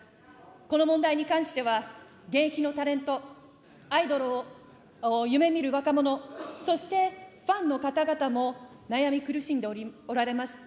この問題に関しては、現役のタレント、アイドルを夢みる若者、そしてファンの方々も悩み苦しんでおられます。